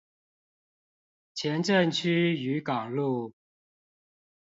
前鎮區漁港路